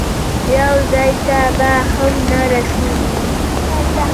یو ځای ته به هم نه رسېږي.